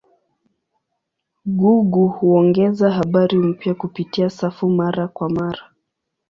Google huongeza habari mpya kupitia safu mara kwa mara.